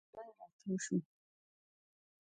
مکمل راتاو شو.